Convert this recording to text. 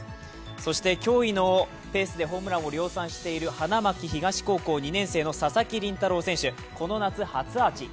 そして驚異のペースでホームランを量産している花巻東高校２年生の佐々木麟太郎選手、この夏初アーチ。